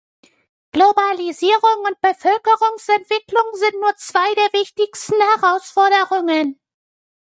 Globalisierung und Bevölkerungsentwicklung sind nur zwei der wichtigsten Herausforderungen.